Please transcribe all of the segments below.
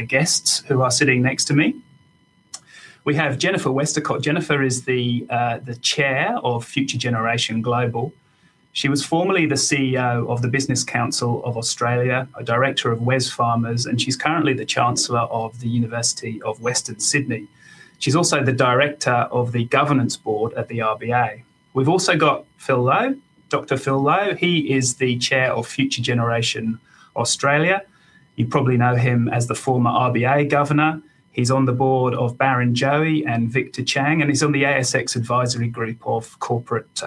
The guests who are sitting next to me. We have Jennifer Westacott. Jennifer is the Chair of Future Generation Global. She was formerly the CEO of the Business Council of Australia, a director of Wesfarmers, and she's currently the Chancellor of the University of Western Sydney. She's also the director of the governance board at the RBA. We've also got Phil Lowe, Dr. Phil Lowe. He is the Chair of Future Generation Australia. You probably know him as the former RBA Governor. He's on the board of Barrenjoey and Victor Chang, and he's on the ASX advisory group of corporate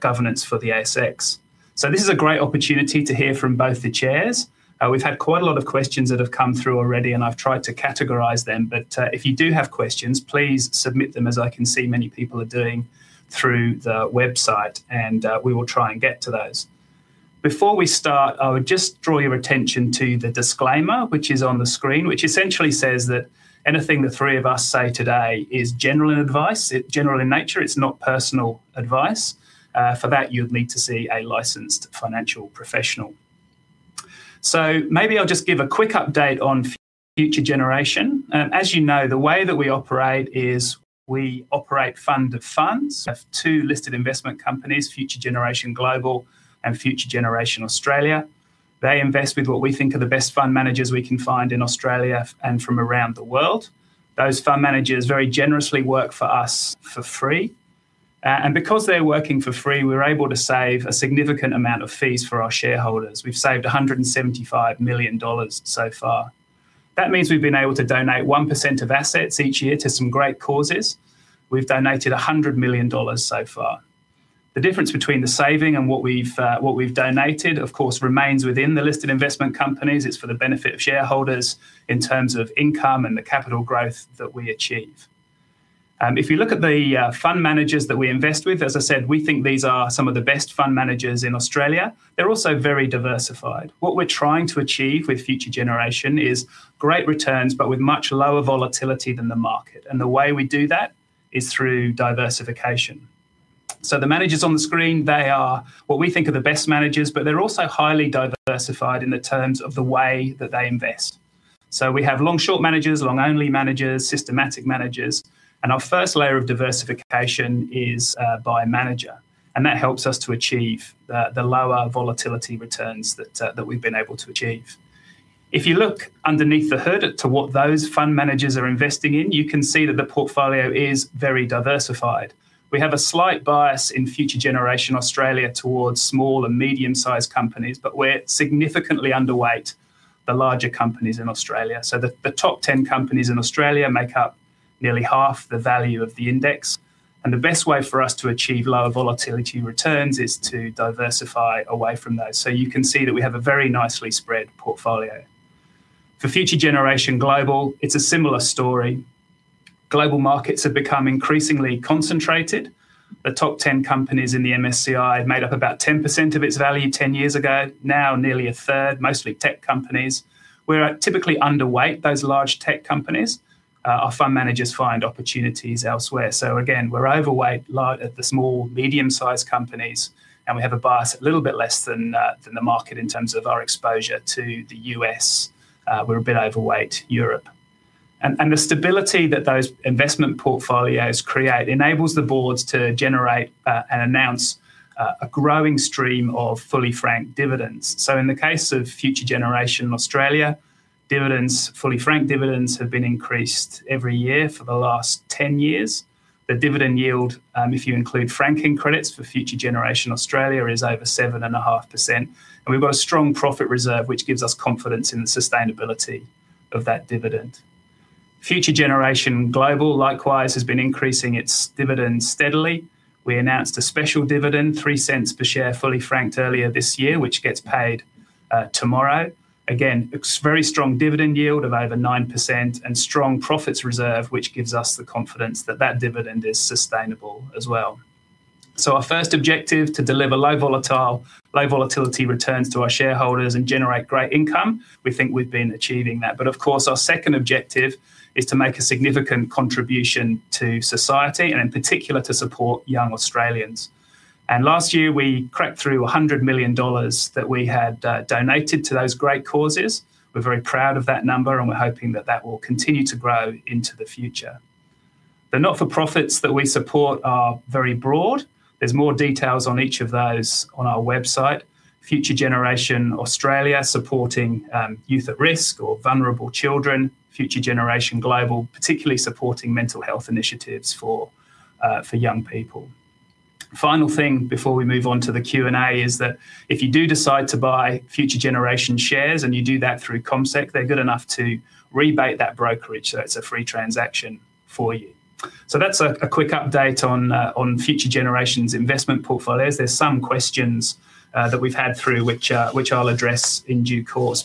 governance for the ASX. This is a great opportunity to hear from both the chairs. We've had quite a lot of questions that have come through already, and I've tried to categorize them. If you do have questions, please submit them, as I can see many people are doing through the website, and we will try and get to those. Before we start, I would just draw your attention to the disclaimer, which is on the screen, which essentially says that anything the three of us say today is general in nature. It's not personal advice. For that, you'd need to see a licensed financial professional. Maybe I'll just give a quick update on Future Generation. As you know, the way that we operate is we operate fund of funds. We have two listed investment companies, Future Generation Global and Future Generation Australia. They invest with what we think are the best fund managers we can find in Australia and from around the world. Those fund managers very generously work for us for free. Because they're working for free, we're able to save a significant amount of fees for our shareholders. We've saved 175 million dollars so far. That means we've been able to donate 1% of assets each year to some great causes. We've donated 100 million dollars so far. The difference between the saving and what we've donated, of course, remains within the listed investment companies. It's for the benefit of shareholders in terms of income and the capital growth that we achieve. If you look at the fund managers that we invest with, as I said, we think these are some of the best fund managers in Australia. They're also very diversified. What we're trying to achieve with Future Generation is great returns, but with much lower volatility than the market. The way we do that is through diversification. The managers on the screen, they are what we think are the best managers, but they're also highly diversified in the terms of the way that they invest. We have long-short managers, long-only managers, systematic managers, and our first layer of diversification is by manager, and that helps us to achieve the lower volatility returns that we've been able to achieve. If you look underneath the hood to what those fund managers are investing in, you can see that the portfolio is very diversified. We have a slight bias in Future Generation Australia towards small and medium-sized companies, but we're significantly underweight the larger companies in Australia. The top 10 companies in Australia make up nearly half the value of the index, and the best way for us to achieve lower volatility returns is to diversify away from those. You can see that we have a very nicely spread portfolio. For Future Generation Global, it is a similar story. Global markets have become increasingly concentrated. The top 10 companies in the MSCI made up about 10% of its value 10 years ago. Now, nearly a third, mostly tech companies. We are typically underweight those large tech companies. Our fund managers find opportunities elsewhere. Again, we are overweight at the small, medium-size companies, and we have a bias a little bit less than the market in terms of our exposure to the U.S. We are a bit overweight Europe. The stability that those investment portfolios create enables the boards to generate and announce a growing stream of fully franked dividends. In the case of Future Generation Australia, fully franked dividends have been increased every year for the last 10 years. The dividend yield, if you include franking credits for Future Generation Australia, is over 7.5%, and we have got a strong profit reserve, which gives us confidence in the sustainability of that dividend. Future Generation Global, likewise, has been increasing its dividend steadily. We announced a special dividend, 0.03 per share, fully franked earlier this year, which gets paid tomorrow. Again, a very strong dividend yield of over 9% and strong profits reserve, which gives us the confidence that that dividend is sustainable as well. Our first objective, to deliver low volatility returns to our shareholders and generate great income, we think we have been achieving that. Of course, our second objective is to make a significant contribution to society, and in particular, to support young Australians. Last year, we cracked through 100 million dollars that we had donated to those great causes. We are very proud of that number, we are hoping that that will continue to grow into the future. The not-for-profits that we support are very broad. There are more details on each of those on our website. Future Generation Australia, supporting youth at risk or vulnerable children. Future Generation Global, particularly supporting mental health initiatives for young people. Final thing before we move on to the Q&A is that if you do decide to buy Future Generation shares, you do that through CommSec, they are good enough to rebate that brokerage, it is a free transaction for you. That is a quick update on Future Generation's investment portfolios. There are some questions that we have had through which I will address in due course.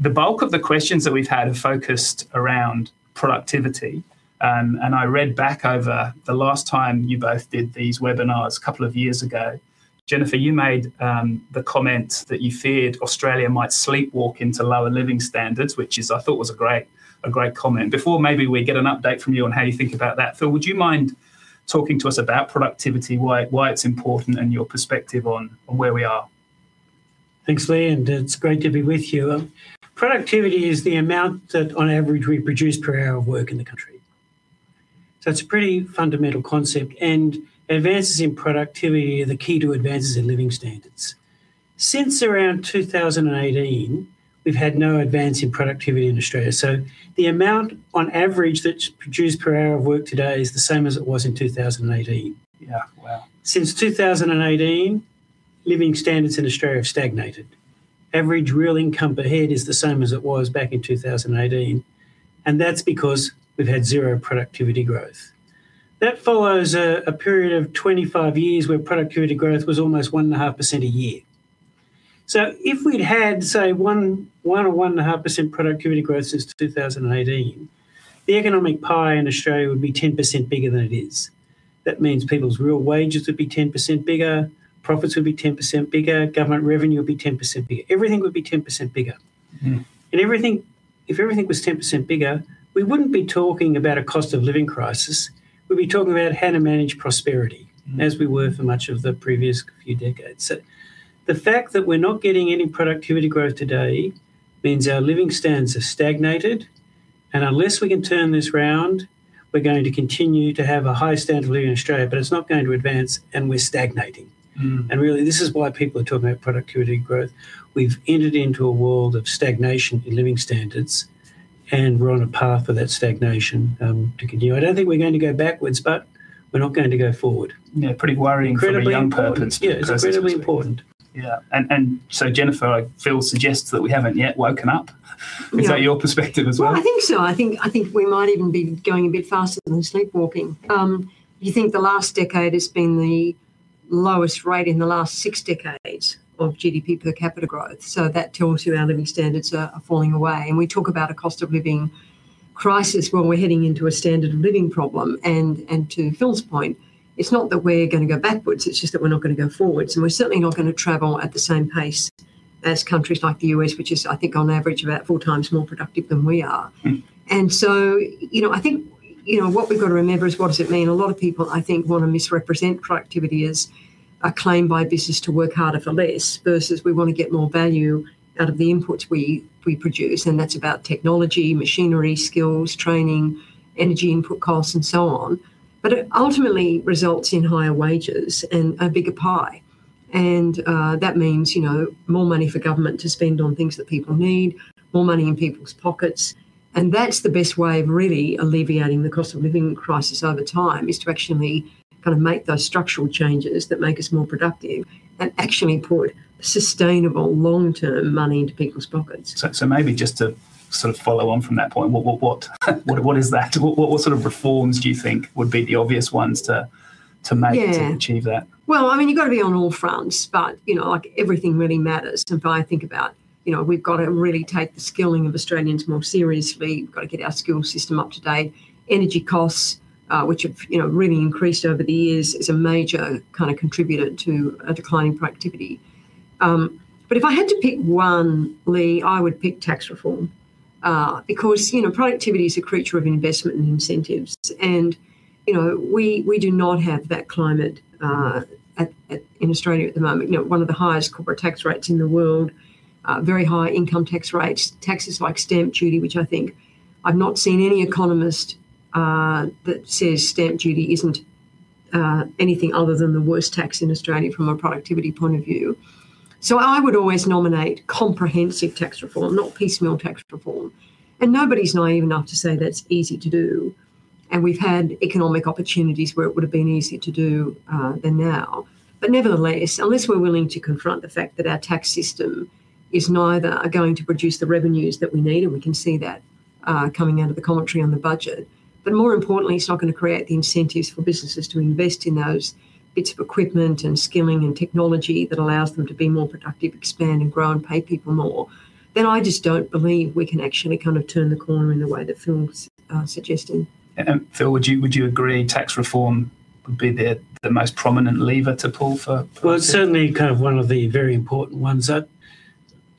The bulk of the questions that we have had have focused around productivity. I read back over the last time you both did these webinars a couple of years ago. Jennifer, you made the comment that you feared Australia might sleepwalk into lower living standards, which I thought was a great comment. Before maybe we get an update from you on how you think about that, Phil, would you mind talking to us about productivity, why it is important, and your perspective on where we are? Thanks, Lee. It's great to be with you. Productivity is the amount that on average we produce per hour of work in the country. It's a pretty fundamental concept, and advances in productivity are the key to advances in living standards. Since around 2018, we've had no advance in productivity in Australia. The amount on average that's produced per hour of work today is the same as it was in 2018. Yeah. Wow. Since 2018, living standards in Australia have stagnated. Average real income per head is the same as it was back in 2018, and that's because we've had zero productivity growth. That follows a period of 25 years where productivity growth was almost 1.5% a year. If we'd had, say, 1% or 1.5% productivity growth since 2018, the economic pie in Australia would be 10% bigger than it is. That means people's real wages would be 10% bigger, profits would be 10% bigger, government revenue would be 10% bigger. Everything would be 10% bigger. If everything was 10% bigger, we wouldn't be talking about a cost of living crisis. We'd be talking about how to manage prosperity, as we were for much of the previous few decades. The fact that we're not getting any productivity growth today means our living standards have stagnated. Unless we can turn this around, we're going to continue to have a high standard of living in Australia, but it's not going to advance and we're stagnating. Really, this is why people are talking about productivity growth. We've entered into a world of stagnation in living standards, and we're on a path for that stagnation to continue. I don't think we're going to go backwards, but we're not going to go forward. Yeah, pretty worrying for a young person. Incredibly important. Yeah, it's incredibly important. Yeah. Jennifer, Phil suggests that we haven't yet woken up. Yeah. Is that your perspective as well? Well, I think so. I think we might even be going a bit faster than sleepwalking. You think the last decade has been the lowest rate in the last six decades of GDP per capita growth. That tells you our living standards are falling away. We talk about a cost of living crisis when we're heading into a standard of living problem. To Phil's point, it's not that we're going to go backwards, it's just that we're not going to go forwards, and we're certainly not going to travel at the same pace as countries like the U.S., which is I think on average about 4x more productive than we are. I think what we've got to remember is what does it mean? A lot of people I think want to misrepresent productivity as a claim by business to work harder for less, versus we want to get more value out of the inputs we produce. That's about technology, machinery, skills, training, energy input costs, and so on. It ultimately results in higher wages and a bigger pie. That means more money for government to spend on things that people need, more money in people's pockets. That's the best way of really alleviating the cost of living crisis over time, is to actually kind of make those structural changes that make us more productive, and actually pour sustainable long-term money into people's pockets. Maybe just to sort of follow on from that point, what is that? What sort of reforms do you think would be the obvious ones to make- Yeah to achieve that? Well, you've got to be on all fronts, but everything really matters. If I think about we've got to really take the skilling of Australians more seriously. We've got to get our skills system up to date. Energy costs, which have really increased over the years, is a major kind of contributor to a decline in productivity. If I had to pick one, Lee, I would pick tax reform, because productivity is a creature of investment and incentives. We do not have that climate in Australia at the moment. One of the highest corporate tax rates in the world, very high income tax rates, taxes like stamp duty, which I think I've not seen any economist that says stamp duty isn't anything other than the worst tax in Australia from a productivity point of view. I would always nominate comprehensive tax reform, not piecemeal tax reform, nobody's naive enough to say that's easy to do. We've had economic opportunities where it would've been easier to do than now. Nevertheless, unless we're willing to confront the fact that our tax system is neither going to produce the revenues that we need, we can see that coming out of the commentary on the budget, more importantly, it's not going to create the incentives for businesses to invest in those bits of equipment and skilling and technology that allows them to be more productive, expand and grow and pay people more, then I just don't believe we can actually kind of turn the corner in the way that Phil's suggesting. Phil, would you agree tax reform would be the most prominent lever to pull for productivity? Well, it's certainly kind of one of the very important ones.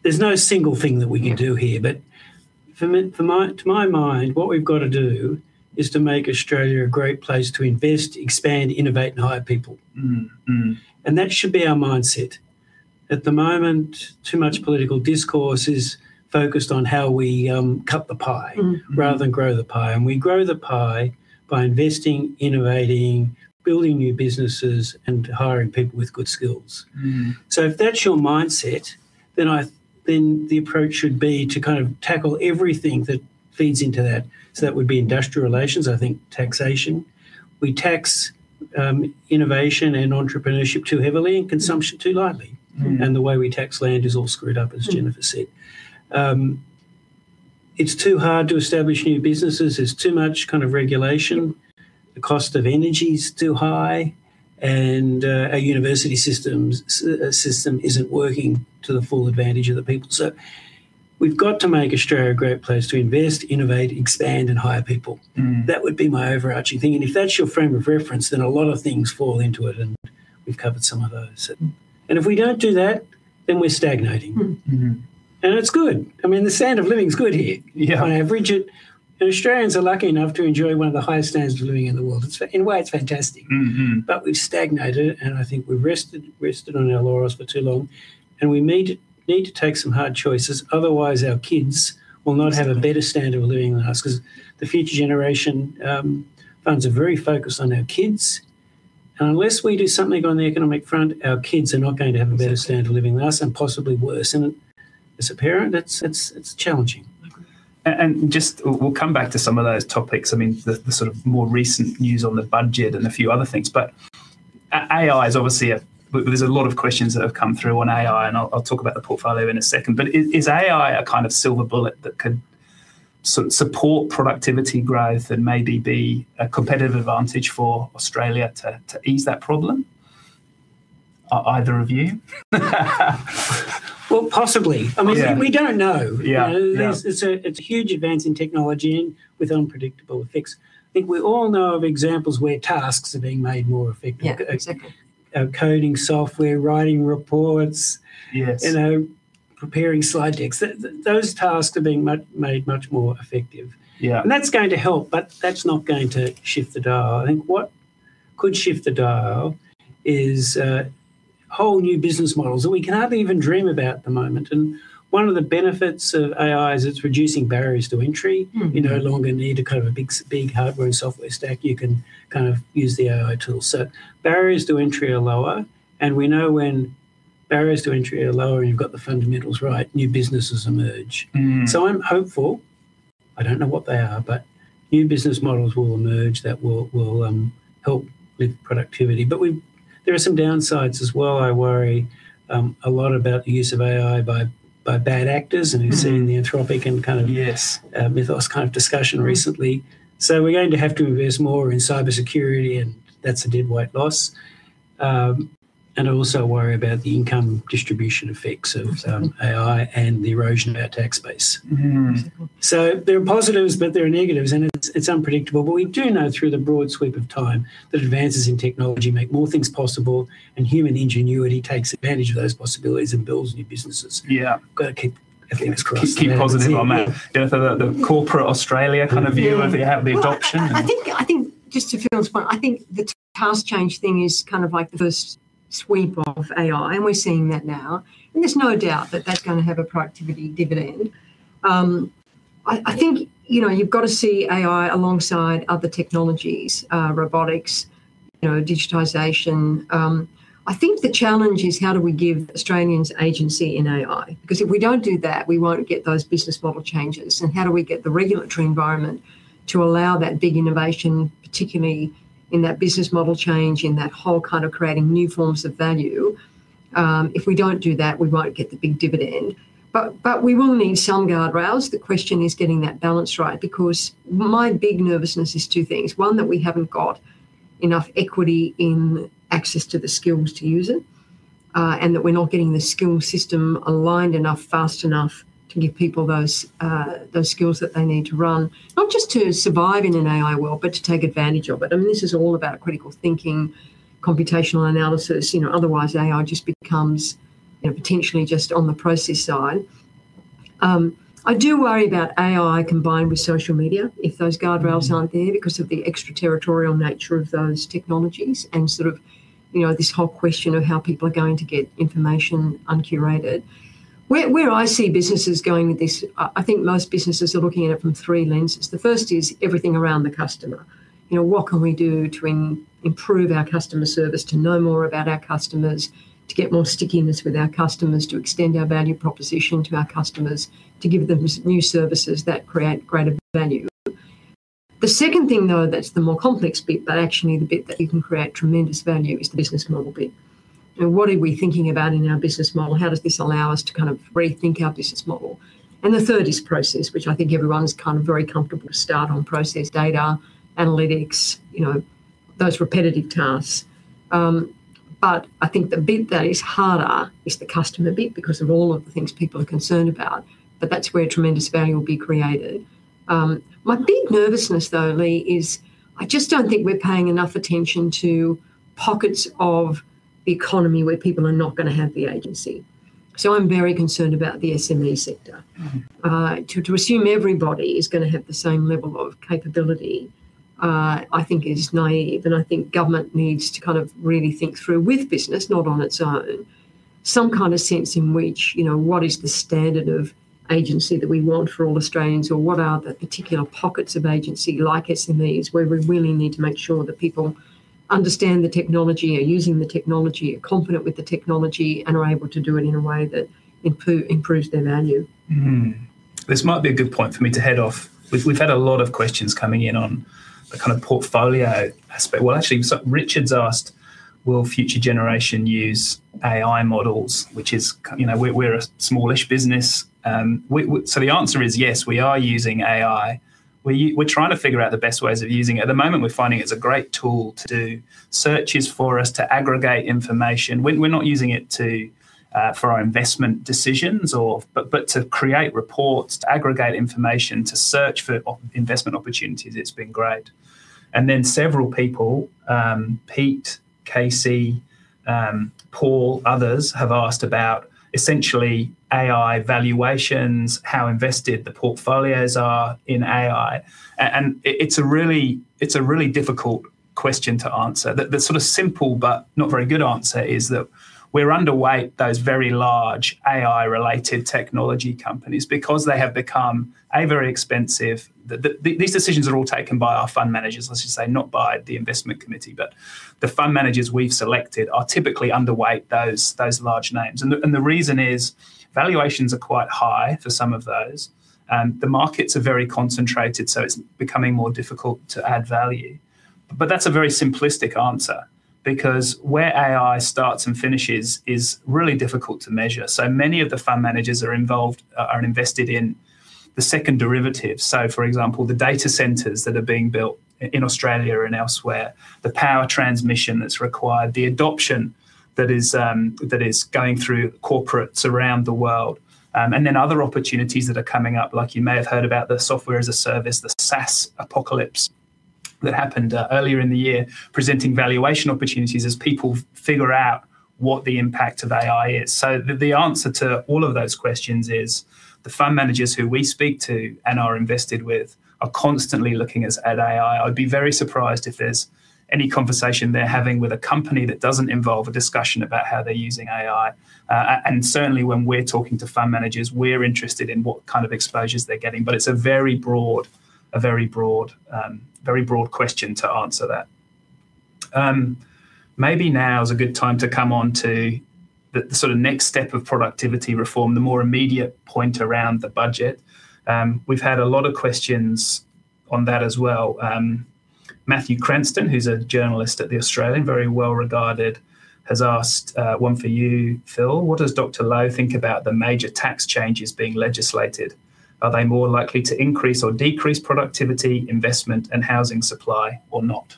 There's no single thing that we can do here. To my mind, what we've got to do is to make Australia a great place to invest, expand, innovate, and hire people. Mm. Mm. That should be our mindset. At the moment, too much political discourse is focused on how we cut the pie- rather than grow the pie. We grow the pie by investing, innovating, building new businesses, and hiring people with good skills. If that's your mindset, then the approach should be to tackle everything that feeds into that. That would be industrial relations, I think taxation. We tax innovation and entrepreneurship too heavily and consumption too lightly. The way we tax land is all screwed up, as Jennifer said. It's too hard to establish new businesses. There's too much regulation. The cost of energy's too high, and our university system isn't working to the full advantage of the people. We've got to make Australia a great place to invest, innovate, expand, and hire people. That would be my overarching thing, if that's your frame of reference, then a lot of things fall into it, and we've covered some of those. If we don't do that, then we're stagnating. It's good. The standard of living is good here. Yeah. On average, Australians are lucky enough to enjoy one of the highest standards of living in the world. In a way, it's fantastic. We've stagnated, I think we've rested on our laurels for too long, we need to take some hard choices, otherwise our kids will not have a better standard of living than us, because the future generation funds are very focused on our kids. Unless we do something on the economic front, our kids are not going to have a better standard of living than us, and possibly worse. As a parent, it's challenging. We'll come back to some of those topics, the sort of more recent news on the budget and a few other things. AI, there's a lot of questions that have come through on AI, I'll talk about the portfolio in a second. Is AI a kind of silver bullet that could support productivity growth and maybe be a competitive advantage for Australia to ease that problem? Either of you? Well, possibly. Yeah. We don't know. Yeah. It's a huge advance in technology, and with unpredictable effects. I think we all know of examples where tasks are being made more effective. Yeah. Exactly. Coding software, writing reports. Yes preparing slide decks. Those tasks are being made much more effective. Yeah. That's going to help, but that's not going to shift the dial. I think what could shift the dial is whole new business models that we can't even dream about at the moment. One of the benefits of AI is it's reducing barriers to entry. You no longer need to cover a big hardware and software stack, you can use the AI tools. Barriers to entry are lower, and we know when barriers to entry are lower, and you've got the fundamentals right, new businesses emerge. I'm hopeful. I don't know what they are, but new business models will emerge that will help with productivity. There are some downsides as well. I worry a lot about the use of AI by bad actors. We've seen the Anthropic. Yes Mythos kind of discussion recently. We're going to have to invest more in cybersecurity, and that's a dead-weight loss. I also worry about the income distribution effects of AI and the erosion of our tax base. Exactly. There are positives, but there are negatives, and it's unpredictable. We do know through the broad sweep of time that advances in technology make more things possible, and human ingenuity takes advantage of those possibilities and builds new businesses. Yeah. Got to keep our fingers crossed. Keep positive on that. Yeah. The corporate Australia kind of view of the adoption. Well, I think just to field this point, I think the task change thing is kind of like the first sweep of AI, and we're seeing that now, and there's no doubt that that's going to have a productivity dividend. I think you've got to see AI alongside other technologies, robotics, digitization. I think the challenge is how do we give Australians agency in AI? Because if we don't do that, we won't get those business model changes. How do we get the regulatory environment to allow that big innovation, particularly in that business model change, in that whole kind of creating new forms of value? If we don't do that, we won't get the big dividend. We will need some guardrails. The question is getting that balance right, because my big nervousness is two things. One, that we haven't got enough equity in access to the skills to use it, and that we're not getting the skill system aligned enough, fast enough to give people those skills that they need to run, not just to survive in an AI world, but to take advantage of it. This is all about critical thinking, computational analysis, otherwise AI just becomes potentially just on the process side. I do worry about AI combined with social media, if those guardrails aren't there because of the extraterritorial nature of those technologies, and sort of this whole question of how people are going to get information uncurated. Where I see businesses going with this, I think most businesses are looking at it from three lenses. The first is everything around the customer. What can we do to improve our customer service, to know more about our customers, to get more stickiness with our customers, to extend our value proposition to our customers, to give them new services that create greater value? The second thing, though, that's the more complex bit, but actually the bit that you can create tremendous value is the business model bit. What are we thinking about in our business model? How does this allow us to kind of rethink our business model? The third is process, which I think everyone's kind of very comfortable to start on, process data, analytics, those repetitive tasks. I think the bit that is harder is the customer bit, because of all of the things people are concerned about, but that's where tremendous value will be created. My big nervousness, though, Lee, is I just don't think we're paying enough attention to pockets of the economy where people are not going to have the agency. I'm very concerned about the SME sector. To assume everybody is going to have the same level of capability, I think is naive, and I think government needs to kind of really think through with business, not on its own. Some kind of sense in which, what is the standard of agency that we want for all Australians, or what are the particular pockets of agency like SMEs where we really need to make sure that people understand the technology, are using the technology, are confident with the technology, and are able to do it in a way that improves their value. This might be a good point for me to head off. We've had a lot of questions coming in on the kind of portfolio aspect. Richard's asked, "Will Future Generation use AI models?" We're a smallish business, the answer is yes, we are using AI. We're trying to figure out the best ways of using it. At the moment, we're finding it's a great tool to do searches for us to aggregate information. We're not using it for our investment decisions, but to create reports, to aggregate information, to search for investment opportunities, it's been great. Several people, Pete, Casey, Paul, others have asked about essentially AI valuations, how invested the portfolios are in AI. It's a really difficult question to answer. The sort of simple but not very good answer is that we're underweight those very large AI-related technology companies because they have become, A, very expensive. These decisions are all taken by our fund managers I should say, not by the investment committee. The fund managers we've selected are typically underweight those large names. The reason is valuations are quite high for some of those. The markets are very concentrated, it's becoming more difficult to add value. That's a very simplistic answer because where AI starts and finishes is really difficult to measure. Many of the fund managers are involved, are invested in the second derivative. For example, the data centers that are being built in Australia and elsewhere, the power transmission that's required, the adoption that is going through corporates around the world. Other opportunities that are coming up, like you may have heard about the Software as a Service, the SaaS apocalypse that happened earlier in the year, presenting valuation opportunities as people figure out what the impact of AI is. The answer to all of those questions is, the fund managers who we speak to and are invested with are constantly looking at AI. I'd be very surprised if there's any conversation they're having with a company that doesn't involve a discussion about how they're using AI. Certainly when we're talking to fund managers, we're interested in what kind of exposures they're getting. It's a very broad question to answer that. Maybe now is a good time to come on to the sort of next step of productivity reform, the more immediate point around the budget. We've had a lot of questions on that as well. Matthew Cranston, who's a journalist at The Australian, very well-regarded, has asked one for you, Phil. "What does Dr. Lowe think about the major tax changes being legislated? Are they more likely to increase or decrease productivity, investment, and housing supply or not?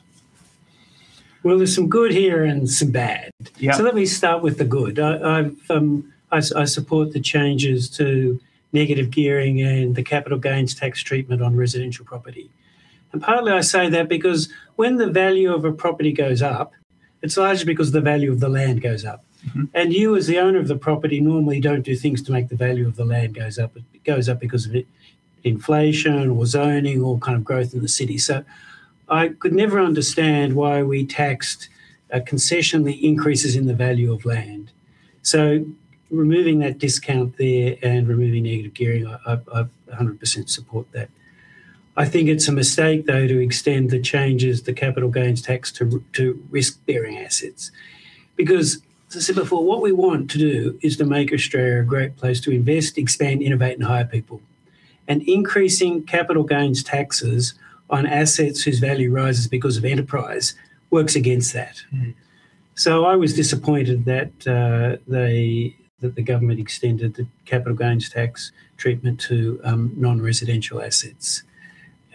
There's some good here and some bad. Yeah. Let me start with the good. I support the changes to negative gearing and the capital gains tax treatment on residential property. Partly I say that because when the value of a property goes up, it's largely because the value of the land goes up. You as the owner of the property normally don't do things to make the value of the land goes up. It goes up because of inflation or zoning or kind of growth in the city. I could never understand why we taxed concession the increases in the value of land. Removing that discount there and removing negative gearing, I 100% support that. I think it's a mistake, though, to extend the changes, the capital gains tax to risk-bearing assets. As I said before, what we want to do is to make Australia a great place to invest, expand, innovate, and hire people. Increasing capital gains taxes on assets whose value rises because of enterprise works against that. I was disappointed that the government extended the capital gains tax treatment to non-residential assets.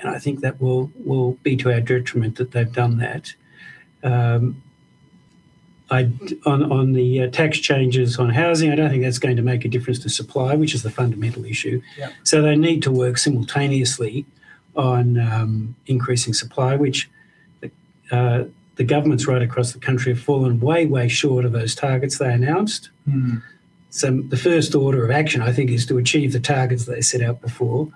I think that will be to our detriment that they've done that. On the tax changes on housing, I don't think that's going to make a difference to supply, which is the fundamental issue. Yeah. They need to work simultaneously on increasing supply, which the governments right across the country have fallen way short of those targets they announced. The first order of action, I think, is to achieve the targets that they set out before.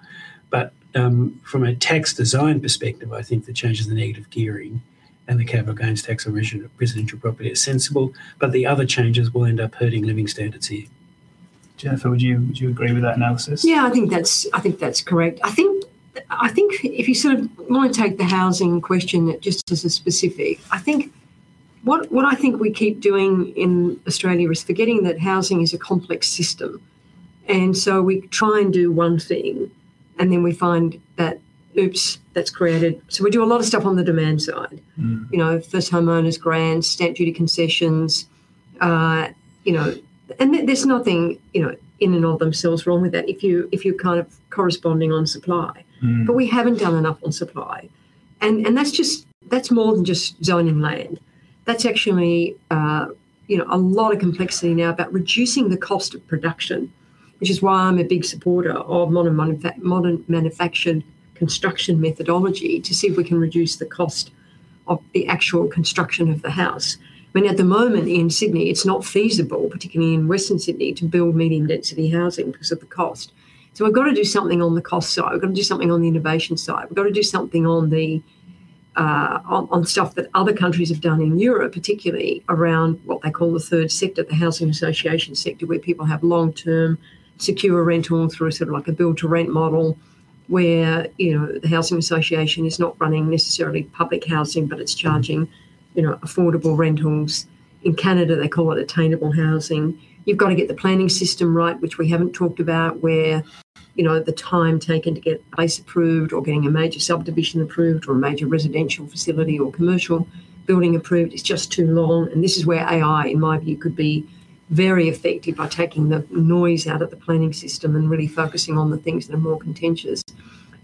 From a tax design perspective, I think the changes in negative gearing and the capital gains tax on residential property are sensible, the other changes will end up hurting living standards here. Jennifer, would you agree with that analysis? Yeah, I think that's correct. I think if you sort of want to take the housing question just as a specific, what I think we keep doing in Australia is forgetting that housing is a complex system. We try and do one thing, then we find that we do a lot of stuff on the demand side. First homeowners grants, stamp duty concessions. There's nothing in and of themselves wrong with that if you're kind of corresponding on supply. We haven't done enough on supply. That's more than just zoning land. That's actually a lot of complexity now about reducing the cost of production, which is why I'm a big supporter of modern manufactured construction methodology to see if we can reduce the cost of the actual construction of the house. When at the moment in Sydney, it's not feasible, particularly in Western Sydney, to build medium density housing because of the cost. We've got to do something on the cost side. We've got to do something on the innovation side. We've got to do something on stuff that other countries have done in Europe, particularly around what they call the third sector, the housing association sector, where people have long-term secure rentals through sort of like a build-to-rent model, where the housing association is not running necessarily public housing, but it's charging affordable rentals. In Canada, they call it attainable housing. You've got to get the planning system right, which we haven't talked about, where the time taken to get a place approved or getting a major subdivision approved or a major residential facility or commercial building approved is just too long. This is where AI, in my view, could be very effective by taking the noise out of the planning system and really focusing on the things that are more contentious.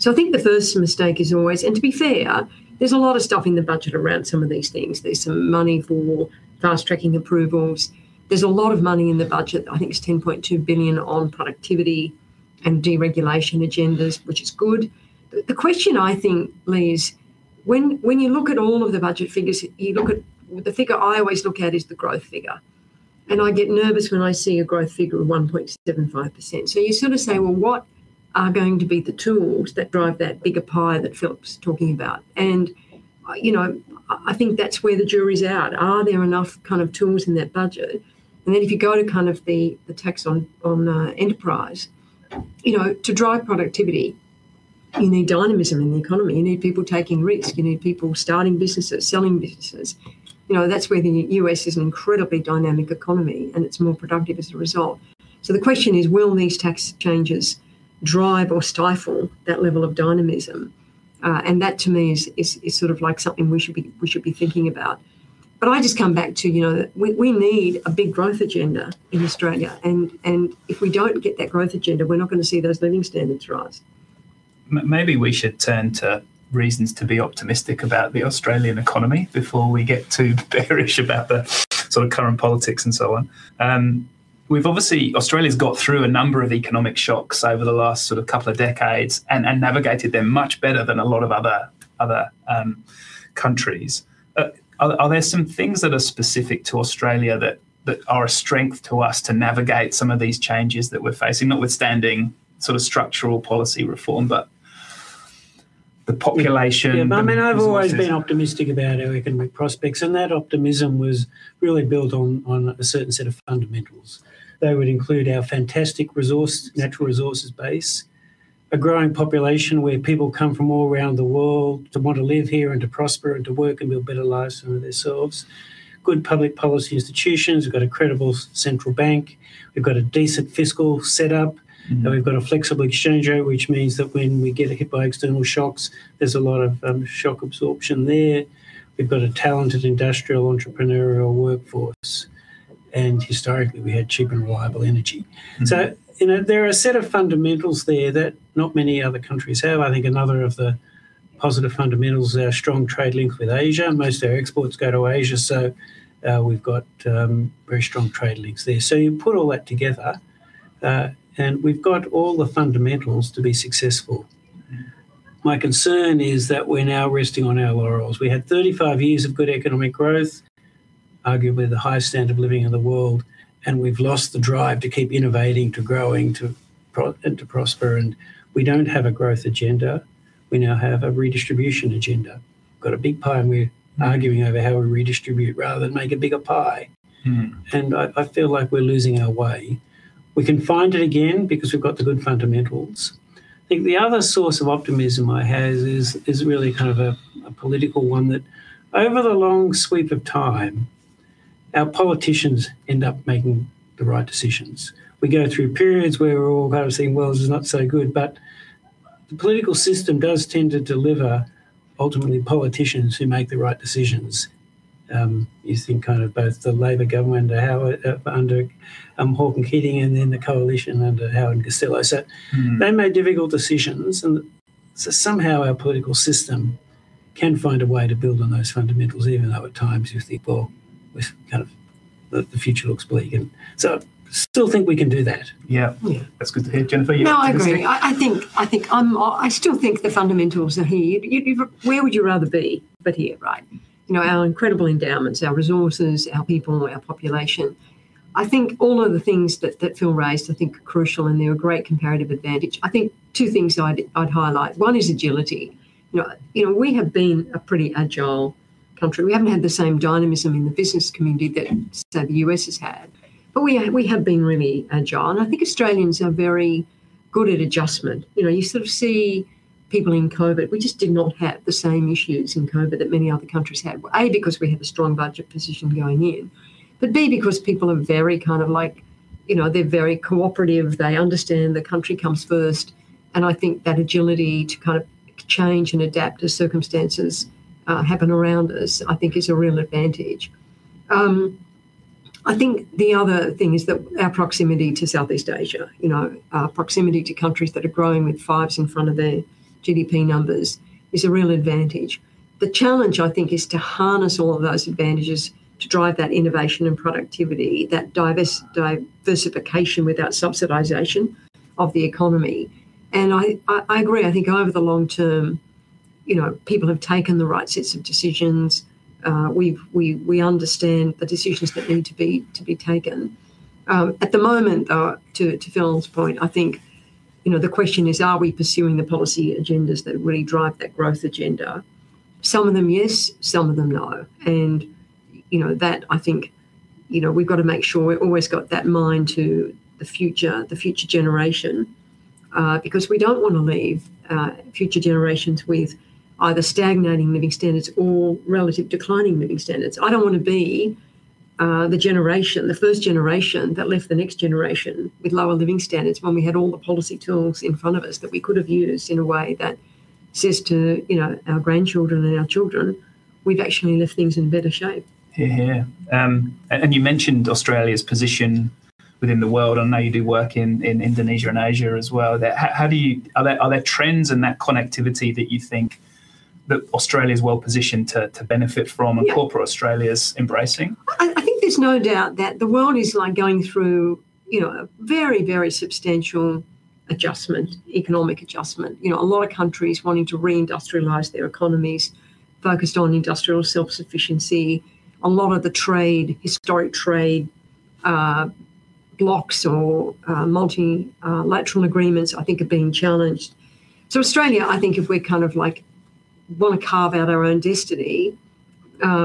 I think the first mistake is always, and to be fair, there's a lot of stuff in the budget around some of these things. There's some money for fast-tracking approvals. There's a lot of money in the budget, I think it's 10.2 billion on productivity and deregulation agendas, which is good. The question I think, Lee, is when you look at all of the budget figures, the figure I always look at is the growth figure. I get nervous when I see a growth figure of 1.75%. You sort of say, "Well, what are going to be the tools that drive that bigger pie that Phil's talking about?" I think that's where the jury's out. Are there enough kind of tools in that budget? Then if you go to kind of the tax on enterprise, to drive productivity, you need dynamism in the economy. You need people taking risks. You need people starting businesses, selling businesses. That's where the U.S. is an incredibly dynamic economy, and it's more productive as a result. The question is will these tax changes drive or stifle that level of dynamism? That to me is sort of like something we should be thinking about. I just come back to, we need a big growth agenda in Australia. If we don't get that growth agenda, we're not going to see those living standards rise. Maybe we should turn to reasons to be optimistic about the Australian economy before we get too bearish about the sort of current politics and so on. Obviously, Australia's got through a number of economic shocks over the last sort of couple of decades and navigated them much better than a lot of other countries. Are there some things that are specific to Australia that are a strength to us to navigate some of these changes that we're facing, notwithstanding sort of structural policy reform, but the population- Yeah. I mean, I've always been optimistic about our economic prospects, and that optimism was really built on a certain set of fundamentals. They would include our fantastic natural resources base, a growing population where people come from all around the world to want to live here and to prosper and to work and build better lives for themselves. Good public policy institutions. We've got a credible central bank. We've got a decent fiscal setup, and we've got a flexible exchange rate, which means that when we get hit by external shocks, there's a lot of shock absorption there. We've got a talented industrial entrepreneurial workforce, and historically, we had cheap and reliable energy. There are a set of fundamentals there that not many other countries have. I think another of the positive fundamentals, our strong trade link with Asia. Most of our exports go to Asia, we've got very strong trade links there. You put all that together, and we've got all the fundamentals to be successful. My concern is that we're now resting on our laurels. We had 35 years of good economic growth, arguably the highest standard of living in the world, and we've lost the drive to keep innovating, to growing, and to prosper. We don't have a growth agenda. We now have a redistribution agenda. Got a big pie and we're arguing over how we redistribute rather than make a bigger pie. I feel like we're losing our way. We can find it again because we've got the good fundamentals. I think the other source of optimism I have is really kind of a political one that over the long sweep of time, our politicians end up making the right decisions. We go through periods where we're all kind of saying, "Well, this is not so good," but the political system does tend to deliver, ultimately, politicians who make the right decisions. You think kind of both the Labor government under Hawke and Keating, and then the Coalition under Howard and Costello. they made difficult decisions, somehow our political system can find a way to build on those fundamentals, even though at times you think, "Well, the future looks bleak." Still think we can do that. Yeah. Yeah. That's good to hear. Jennifer, your optimistic- No, I agree. I still think the fundamentals are here. Where would you rather be but here, right? Our incredible endowments, our resources, our people, our population. I think all of the things that Phil raised I think are crucial, and they're a great comparative advantage. I think two things that I'd highlight. One is agility. We have been a pretty agile country. We haven't had the same dynamism in the business community that, say, the U.S. has had, but we have been really agile. I think Australians are very good at adjustment. You sort of see people in COVID, we just did not have the same issues in COVID that many other countries had. A, because we had a strong budget position going in, but B, because people are very kind of like, they're very cooperative. They understand the country comes first, I think that agility to kind of change and adapt as circumstances happen around us, I think is a real advantage. I think the other thing is that our proximity to Southeast Asia, our proximity to countries that are growing with fives in front of their GDP numbers is a real advantage. The challenge, I think, is to harness all of those advantages to drive that innovation and productivity, that diversification without subsidization of the economy. I agree. I think over the long-term, people have taken the right sets of decisions. We understand the decisions that need to be taken. At the moment, to Phil's point, I think the question is, are we pursuing the policy agendas that really drive that growth agenda? Some of them, yes. Some of them, no. That I think, we've got to make sure we've always got that mind to the future generation, because we don't want to leave future generations with either stagnating living standards or relative declining living standards. I don't want to be the first generation that left the next generation with lower living standards when we had all the policy tools in front of us that we could've used in a way that says to our grandchildren and our children, we've actually left things in better shape. Yeah. You mentioned Australia's position within the world. I know you do work in Indonesia and Asia as well. Are there trends in that connectivity that you think? That Australia is well positioned to benefit from? Yeah Corporate Australia's embracing? I think there's no doubt that the world is going through a very, very substantial economic adjustment. A lot of countries wanting to re-industrialize their economies, focused on industrial self-sufficiency. A lot of the historic trade blocks or multilateral agreements, I think, are being challenged. Australia, I think if we want to carve out our own destiny,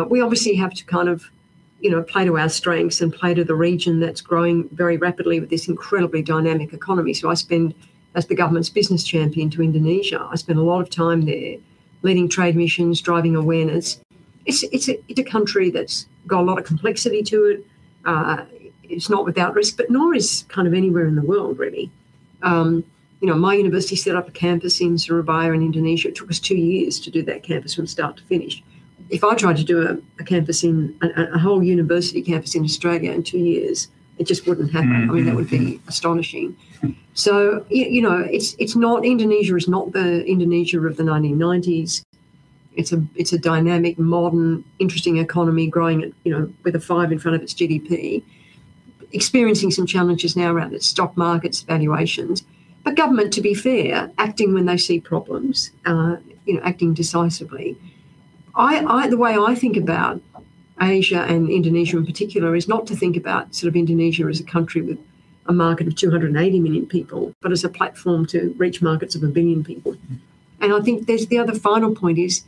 we obviously have to play to our strengths and play to the region that's growing very rapidly with this incredibly dynamic economy. As the government's business champion to Indonesia, I spend a lot of time there leading trade missions, driving awareness. It's a country that's got a lot of complexity to it. It's not without risk, but nor is anywhere in the world, really. My university set up a campus in Surabaya, in Indonesia. It took us two years to do that campus from start to finish. If I tried to do a whole university campus in Australia in two years, it just wouldn't happen. That would be astonishing. Indonesia is not the Indonesia of the 1990s. It's a dynamic, modern, interesting economy, growing with a five in front of its GDP, experiencing some challenges now around its stock markets valuations. Government, to be fair, acting when they see problems, acting decisively. The way I think about Asia, and Indonesia in particular, is not to think about Indonesia as a country with a market of 280 million people, but as a platform to reach markets of 1 billion people. I think the other final point is,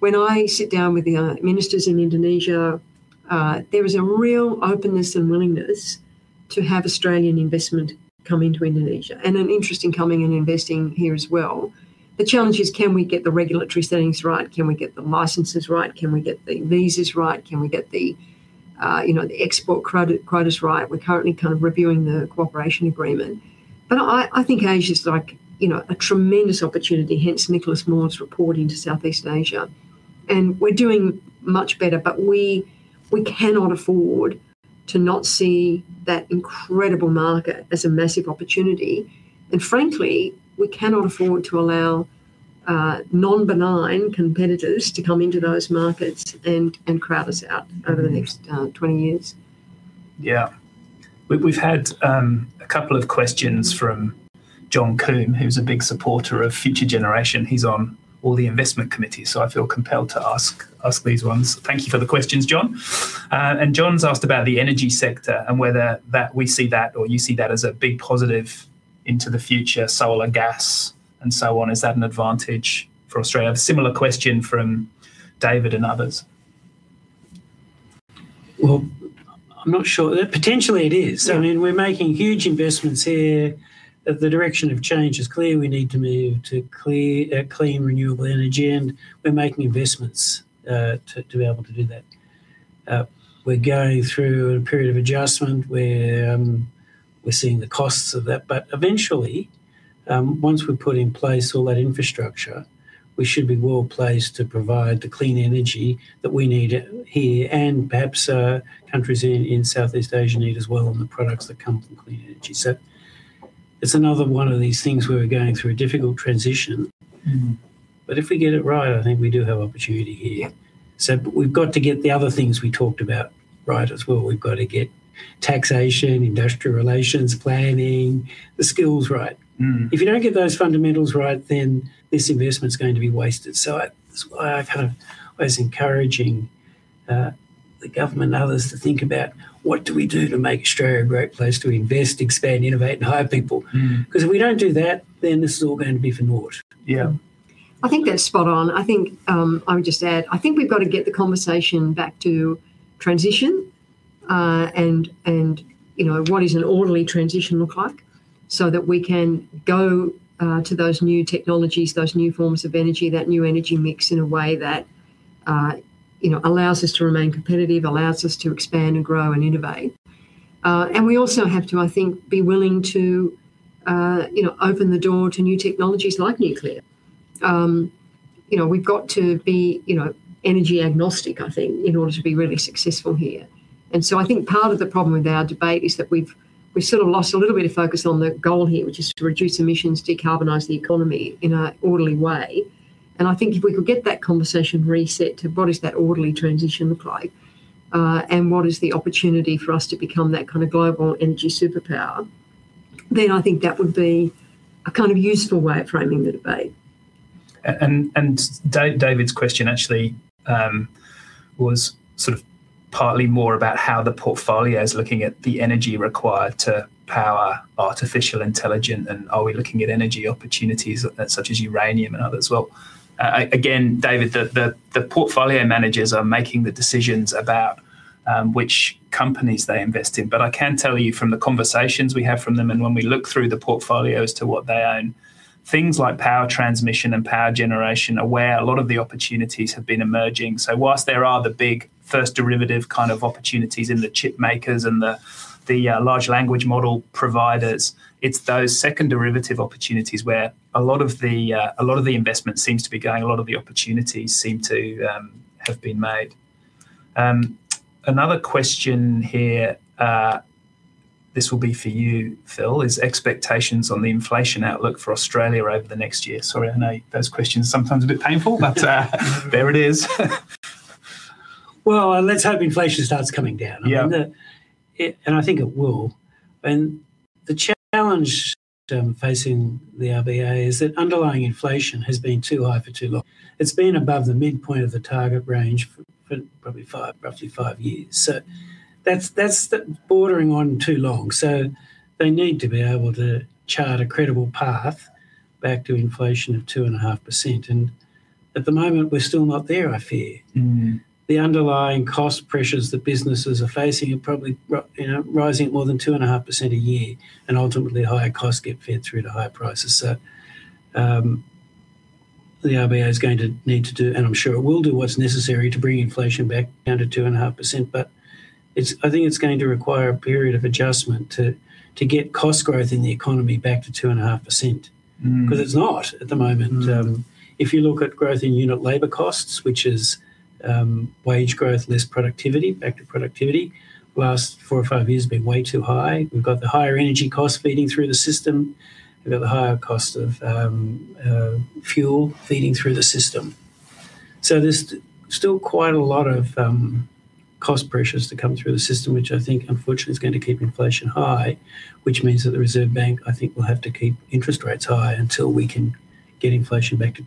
when I sit down with the ministers in Indonesia, there is a real openness and willingness to have Australian investment come into Indonesia, and an interest in coming and investing here as well. The challenge is can we get the regulatory settings right? Can we get the licenses right? Can we get the visas right? Can we get the export quotas right? We're currently reviewing the cooperation agreement. I think Asia's a tremendous opportunity, hence Nicholas Moore's report into Southeast Asia, and we're doing much better. We cannot afford to not see that incredible market as a massive opportunity. Frankly, we cannot afford to allow non-benign competitors to come into those markets and crowd us out over the next 20 years. Yeah. We've had a couple of questions from John Coombe, who's a big supporter of Future Generation. He's on all the investment committees, so I feel compelled to ask these ones. Thank you for the questions, John. John's asked about the energy sector and whether we see that, or you see that, as a big positive into the future, solar gas and so on. Is that an advantage for Australia? Similar question from David and others. I'm not sure. Potentially, it is. We're making huge investments here. The direction of change is clear. We need to move to clean, renewable energy, we're making investments to be able to do that. We're going through a period of adjustment where we're seeing the costs of that. Eventually, once we've put in place all that infrastructure, we should be well placed to provide the clean energy that we need here, and perhaps countries in Southeast Asia need as well, and the products that come from clean energy. It's another one of these things where we're going through a difficult transition. If we get it right, I think we do have opportunity here. Yeah. We've got to get the other things we talked about right as well. We've got to get taxation, industrial relations, planning, the skills right. If you don't get those fundamentals right, then this investment's going to be wasted. That's why I'm always encouraging the government and others to think about what do we do to make Australia a great place to invest, expand, innovate, and hire people. If we don't do that, then this is all going to be for naught. Yeah. I think that's spot on. I would just add, I think we've got to get the conversation back to transition, and what is an orderly transition look like, so that we can go to those new technologies, those new forms of energy, that new energy mix in a way that allows us to remain competitive, allows us to expand and grow and innovate. We also have to, I think, be willing to open the door to new technologies like nuclear. We've got to be energy agnostic, I think, in order to be really successful here. I think part of the problem with our debate is that we've sort of lost a little bit of focus on the goal here, which is to reduce emissions, decarbonize the economy in an orderly way. I think if we could get that conversation reset to what does that orderly transition look like, and what is the opportunity for us to become that kind of global energy superpower, then I think that would be a useful way of framing the debate. David's question actually was partly more about how the portfolio's looking at the energy required to power artificial intelligence, and are we looking at energy opportunities such as uranium and others? Again, David, the portfolio managers are making the decisions about which companies they invest in. I can tell you from the conversations we have from them, and when we look through the portfolio as to what they own, things like power transmission and power generation are where a lot of the opportunities have been emerging. Whilst there are the big first derivative kind of opportunities in the chip makers and the large language model providers, it's those second derivative opportunities where a lot of the investment seems to be going, a lot of the opportunities seem to have been made. Another question here. This will be for you, Phil, is expectations on the inflation outlook for Australia over the next year. Sorry. I know those questions are sometimes a bit painful, there it is. Let's hope inflation starts coming down. Yeah. I think it will. The challenge facing the RBA is that underlying inflation has been too high for too long. It's been above the midpoint of the target range for probably roughly five years. That's bordering on too long. They need to be able to chart a credible path back to inflation of 2.5%, at the moment we're still not there, I fear. The underlying cost pressures that businesses are facing are probably rising at more than 2.5% a year, ultimately higher costs get fed through to higher prices. The RBA is going to need to do, and I'm sure it will do, what's necessary to bring inflation back down to 2.5%. I think it's going to require a period of adjustment to get cost growth in the economy back to 2.5%. It's not at the moment. If you look at growth in unit labor costs, which is wage growth, less productivity, back to productivity, the last four or five years have been way too high. We've got the higher energy costs feeding through the system. We've got the higher cost of fuel feeding through the system. There's still quite a lot of cost pressures to come through the system, which I think unfortunately is going to keep inflation high, which means that the Reserve Bank, I think, will have to keep interest rates high until we can get inflation back to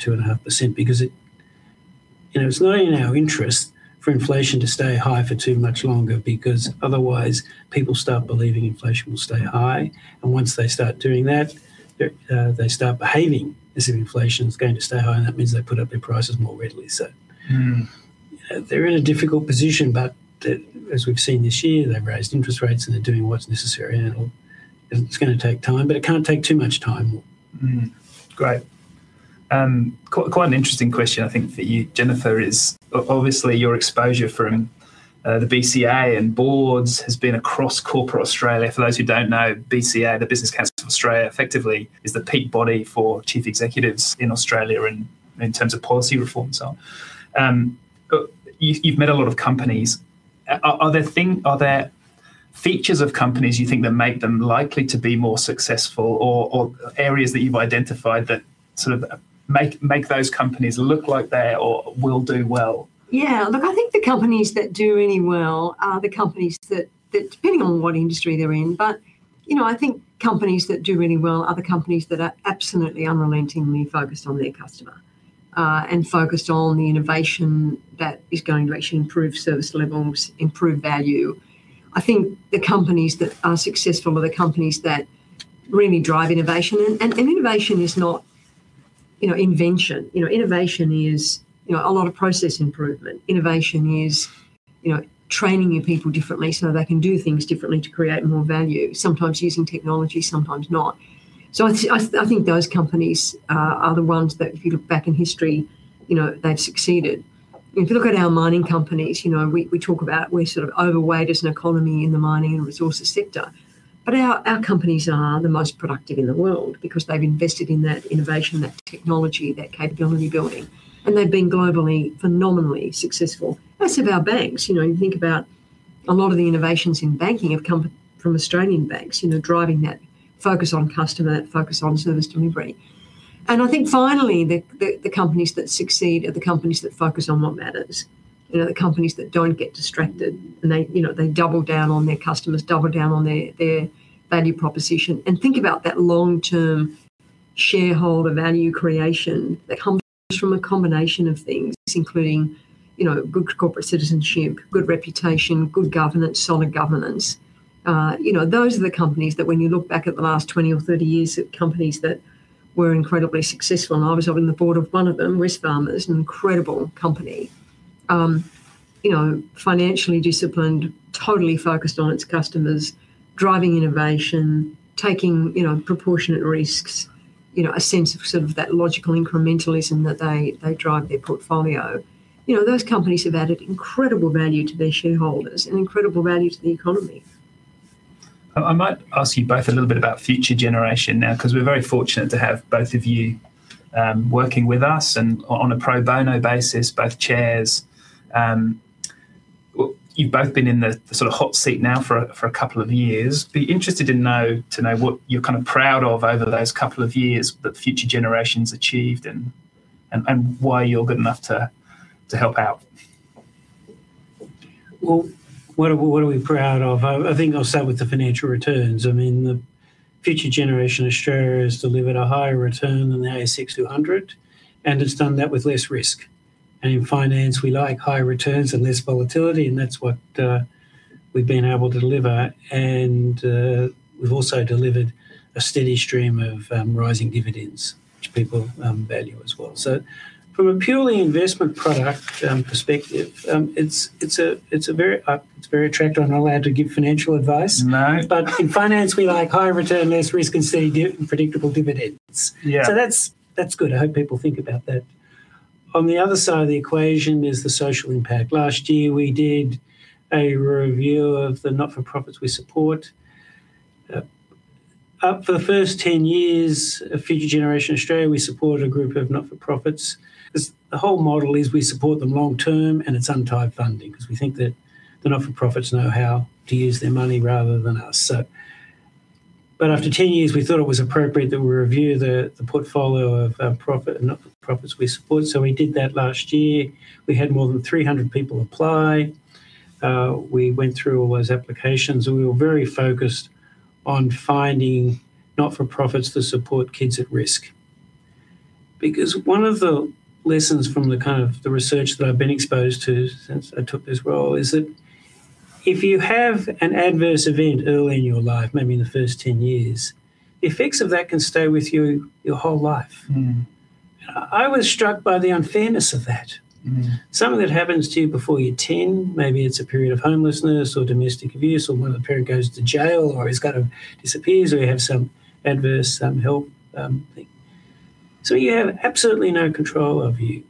2.5%. It's not in our interest for inflation to stay high for too much longer, otherwise people start believing inflation will stay high. Once they start doing that, they start behaving as if inflation's going to stay high, that means they put up their prices more readily. They're in a difficult position, as we've seen this year, they've raised interest rates and they're doing what's necessary. It's going to take time, it can't take too much time. Great. Quite an interesting question I think for you, Jennifer, is obviously your exposure from the BCA and boards has been across corporate Australia. For those who don't know, BCA, the Business Council of Australia, effectively is the peak body for chief executives in Australia in terms of policy reform and so on. You've met a lot of companies. Are there features of companies you think that make them likely to be more successful, or areas that you've identified that make those companies look like they are or will do well? Yeah, look, I think the companies that do really well are the companies that, depending on what industry they're in, but I think companies that do really well are the companies that are absolutely unrelentingly focused on their customer, focused on the innovation that is going to actually improve service levels, improve value. I think the companies that are successful are the companies that really drive innovation is not invention. Innovation is a lot of process improvement. Innovation is training your people differently so they can do things differently to create more value, sometimes using technology, sometimes not. I think those companies are the ones that if you look back in history, they've succeeded. If you look at our mining companies, we talk about we're sort of overweight as an economy in the mining and resources sector, but our companies are the most productive in the world because they've invested in that innovation, that technology, that capability building, and they've been globally phenomenally successful. Most of our banks, you think about a lot of the innovations in banking have come from Australian banks, driving that focus on customer, focus on service delivery. I think finally, the companies that succeed are the companies that focus on what matters. The companies that don't get distracted, and they double down on their customers, double down on their value proposition, and think about that long-term shareholder value creation that comes from a combination of things, including good corporate citizenship, good reputation, good governance, solid governance. Those are the companies that when you look back at the last 20 or 30 years at companies that were incredibly successful, and I was on the board of one of them, ResMed, an incredible company. Financially disciplined, totally focused on its customers, driving innovation, taking proportionate risks, a sense of that logical incrementalism that they drive their portfolio. Those companies have added incredible value to their shareholders and incredible value to the economy. I might ask you both a little bit about Future Generation Australia now because we're very fortunate to have both of you working with us and on a pro bono basis, both chairs. You've both been in the hot seat now for a couple of years. Be interested to know what you're proud of over those couple of years that Future Generation Australia's achieved and why you're good enough to help out. Well, what are we proud of? I think I'll start with the financial returns. The Future Generation Australia has delivered a higher return than the ASX 200, and it's done that with less risk. In finance, we like higher returns and less volatility, and that's what we've been able to deliver. We've also delivered a steady stream of rising dividends, which people value as well. From a purely investment product perspective, it's very attractive. I'm not allowed to give financial advice. No. In finance, we like higher return, less risk, and steady, predictable dividends. Yeah. That's good. I hope people think about that. On the other side of the equation is the social impact. Last year, we did a review of the not-for-profits we support. For the first 10 years of Future Generation Australia, we support a group of not-for-profits. The whole model is we support them long-term, and it's untied funding, because we think that the not-for-profits know how to use their money rather than us. After 10 years, we thought it was appropriate that we review the portfolio of not-for-profits we support, so we did that last year. We had more than 300 people apply. We went through all those applications, and we were very focused on finding not-for-profits to support kids at risk. One of the lessons from the research that I've been exposed to since I took this role is that if you have an adverse event early in your life, maybe in the first 10 years, the effects of that can stay with you your whole life. I was struck by the unfairness of that. Something that happens to you before you're 10, maybe it's a period of homelessness or domestic abuse, or one of the parent goes to jail, or he kind of disappears, or you have some adverse health thing. You have absolutely no control of you.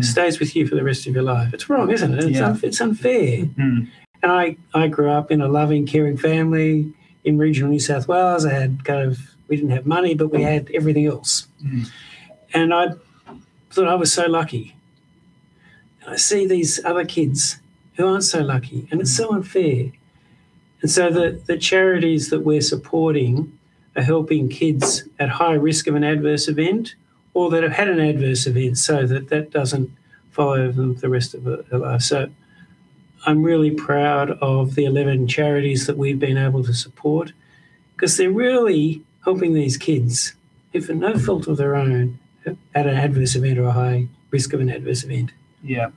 Stays with you for the rest of your life. It's wrong, isn't it? Yeah. It's unfair. I grew up in a loving, caring family in regional New South Wales. We didn't have money, but we had everything else. I thought I was so lucky. I see these other kids who aren't so lucky, and it's so unfair. The charities that we're supporting are helping kids at high risk of an adverse event, or that have had an adverse event so that that doesn't follow them for the rest of their life. I'm really proud of the 11 charities that we've been able to support because they're really helping these kids who through no fault of their own are at an adverse event or a high risk of an adverse event. Yeah.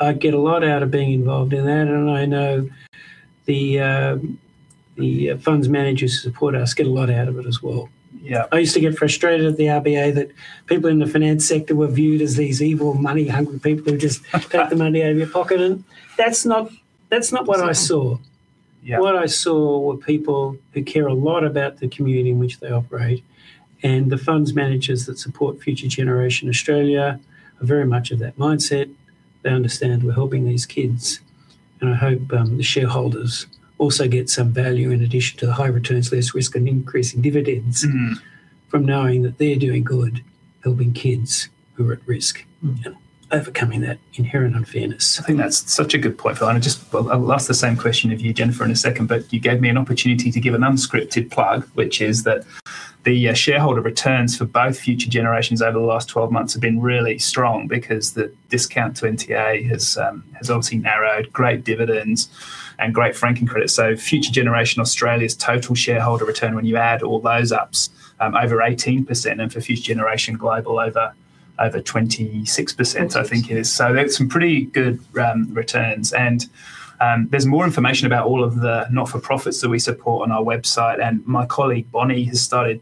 I get a lot out of being involved in that, and I know the funds managers who support us get a lot out of it as well. Yeah. I used to get frustrated at the RBA that people in the finance sector were viewed as these evil, money-hungry people who take the money out of your pocket. That's not what I saw. Yeah. What I saw were people who care a lot about the community in which they operate. The funds managers that support Future Generation Australia are very much of that mindset. They understand we're helping these kids. I hope the shareholders also get some value in addition to the high returns, less risk, and increasing dividends. from knowing that they're doing good helping kids who are at risk. Overcoming that inherent unfairness. I think that's such a good point, Phil, I'll ask the same question of you, Jennifer, in a second, but you gave me an opportunity to give an unscripted plug, which is that the shareholder returns for both Future Generations over the last 12 months have been really strong because the discount to NTA has obviously narrowed, great dividends, and great franking credits. Future Generation Australia's total shareholder return when you add all those ups, over 18%, and for Future Generation Global over 26%. 26 I think it is. That's some pretty good returns. There's more information about all of the not-for-profits that we support on our website, and my colleague Bonnie has started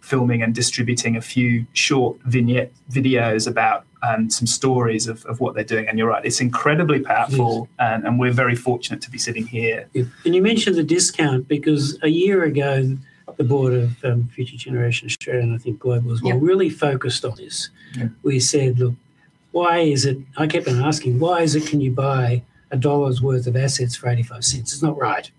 filming and distributing a few short vignette videos about some stories of what they're doing. You're right, it's incredibly powerful. It is. We're very fortunate to be sitting here. Yeah. You mentioned the discount because a year ago the board of Future Generation Australia, and I think Global as well. Yeah really focused on this. Yeah. We said, "Look," I kept on asking, "Why is it can you buy a dollar's worth of assets for 0.85? It's not right.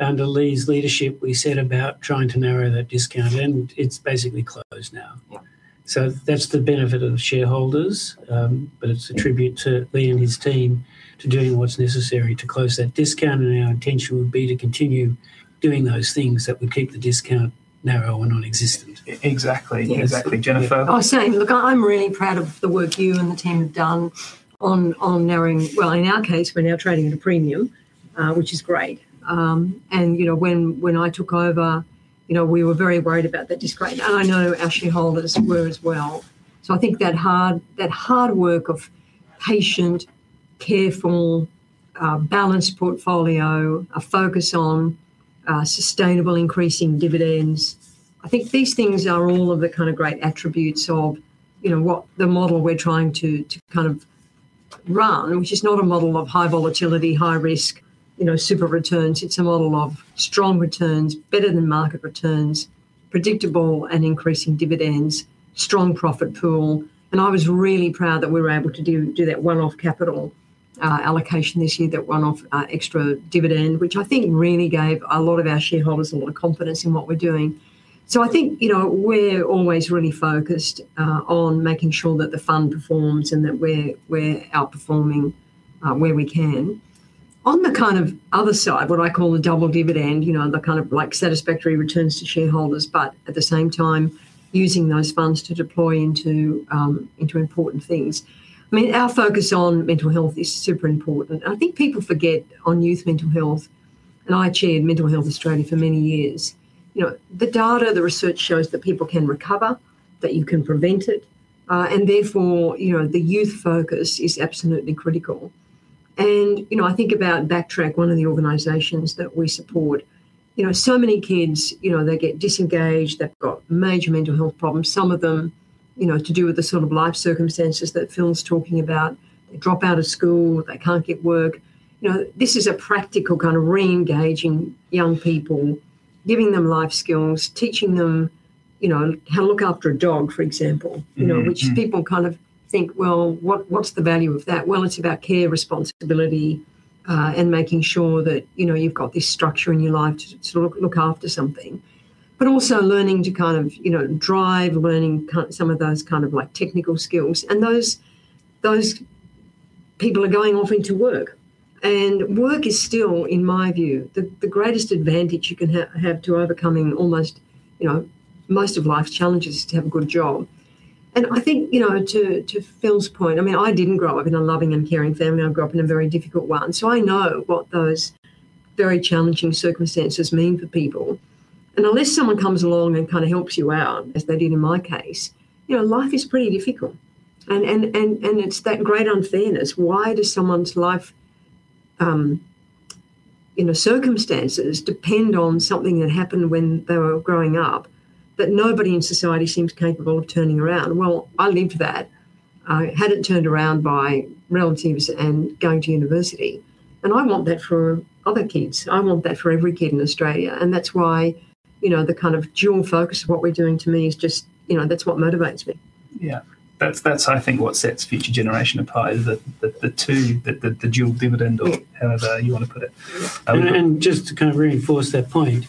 Under Lee's leadership, we set about trying to narrow that discount, and it's basically closed now. Yeah. That's the benefit of the shareholders, but it's a tribute to Lee and his team to doing what's necessary to close that discount, and our intention would be to continue doing those things that would keep the discount narrow or nonexistent. Exactly. Yes. Exactly. Jennifer? I was saying, look, I'm really proud of the work you and the team have done on narrowing. Well, in our case, we're now trading at a premium, which is great. When I took over, we were very worried about that discount, and I know our shareholders were as well. I think that hard work of patient, careful, balanced portfolio, a focus on sustainable increasing dividends, I think these things are all of the kind of great attributes of the model we're trying to run, which is not a model of high volatility, high risk, super returns. It's a model of strong returns, better than market returns, predictable and increasing dividends, strong profit pool. I was really proud that we were able to do that one-off capital allocation this year, that one-off extra dividend, which I think really gave a lot of our shareholders a lot of confidence in what we're doing. I think we're always really focused on making sure that the fund performs and that we're outperforming where we can. On the other side, what I call the double dividend, the satisfactory returns to shareholders, but at the same time using those funds to deploy into important things. I mean, our focus on mental health is super important. I think people forget on youth mental health, and I chaired Mental Health Australia for many years. The data, the research shows that people can recover, that you can prevent it, and therefore the youth focus is absolutely critical. I think about BackTrack, one of the organizations that we support. Many kids, they get disengaged, they've got major mental health problems, some of them to do with the sort of life circumstances that Phil's talking about. They drop out of school. They can't get work. This is a practical kind of reengaging young people, giving them life skills, teaching them how to look after a dog, for example. Which people kind of think, well, what's the value of that? It's about care, responsibility, and making sure that you've got this structure in your life to look after something. Also learning to drive, learning some of those kind of technical skills. Those people are going off into work, and work is still, in my view, the greatest advantage you can have to overcoming most of life's challenges, is to have a good job. I think, to Phil's point, I didn't grow up in a loving and caring family. I grew up in a very difficult one, so I know what those very challenging circumstances mean for people. Unless someone comes along and kind of helps you out, as they did in my case, life is pretty difficult. It's that great unfairness. Why does someone's life circumstances depend on something that happened when they were growing up that nobody in society seems capable of turning around? I lived that. I had it turned around by relatives and going to university, and I want that for other kids. I want that for every kid in Australia. That's why the kind of dual focus of what we're doing to me, that's what motivates me. Yeah. That's, I think, what sets Future Generation apart is the dual dividend. Yeah However you want to put it. Just to kind of reinforce that point,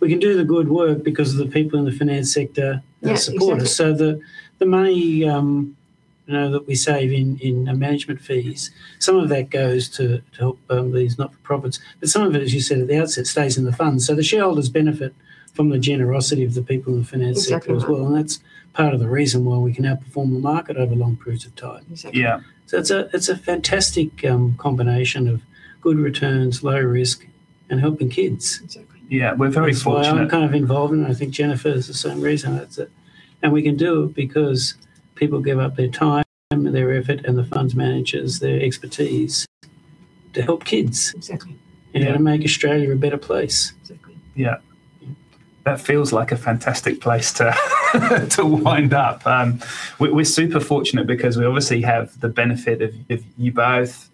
we can do the good work because the people in the finance sector. Yeah, exactly. that support us. The money that we save in management fees, some of that goes to help these not-for-profits. Some of it, as you said at the outset, stays in the fund. The shareholders benefit from the generosity of the people in the finance sector as well. Exactly. That's part of the reason why we can outperform the market over long periods of time. Exactly. Yeah. It's a fantastic combination of good returns, low risk, and helping kids. Exactly. We're very fortunate. That's why I'm kind of involved. I think Jennifer has the same reason. That's it. We can do it because people give up their time and their effort, and the fund managers, their expertise, to help kids. Exactly. Yeah. To make Australia a better place. Exactly. Yeah. That feels like a fantastic place to wind up. We're super fortunate because we obviously have the benefit of you both,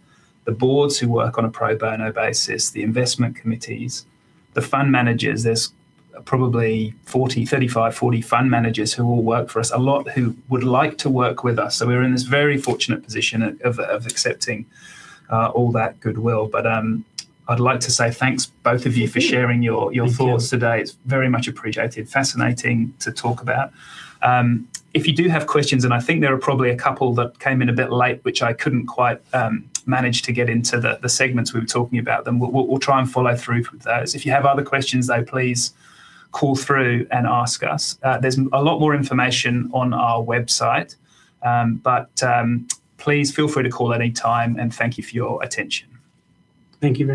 the boards who work on a pro bono basis, the investment committees, the fund managers. There's probably 35, 40 fund managers who all work for us. A lot who would like to work with us. We're in this very fortunate position of accepting all that goodwill. I'd like to say thanks to both of you for sharing your- Thank you thoughts today. It's very much appreciated. Fascinating to talk about. If you do have questions, and I think there are probably a couple that came in a bit late, which I couldn't quite manage to get into the segments we were talking about, then we'll try and follow through with those. If you have other questions, though, please call through and ask us. There's a lot more information on our website. Please feel free to call any time, and thank you for your attention. Thank you very much